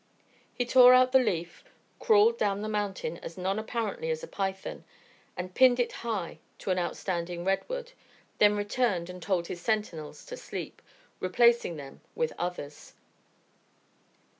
He tore out the leaf, crawled down the mountain as non apparently as a python, and pinned it high on an outstanding redwood, then returned and told his sentinels to sleep, replacing them with others.